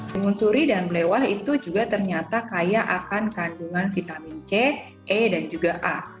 timun suri dan blewah itu juga ternyata kaya akan kandungan vitamin c e dan juga a